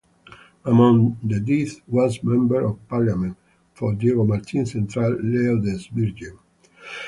Among the dead was member of parliament for Diego Martin Central, Leo Des Vignes.